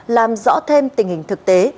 làm rõ thêm tình hình thực tế